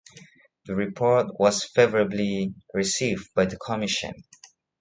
The report was favourably received by the Commission.